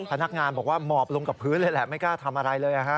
พนักงานบอกว่าหมอบลงกับพื้นเลยแหละไม่กล้าทำอะไรเลย